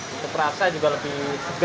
untuk rasa juga lebih segar